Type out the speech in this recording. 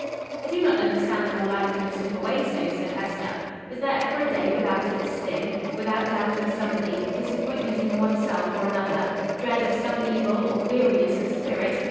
"I do not understand how life can slip away so," said Hester. "Is there ever a day without its sting? without doubt of somebody, disappointment in oneself or another, dread of some evil, or weariness of spirit?